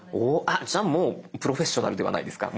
じゃあもうプロフェッショナルではないですか。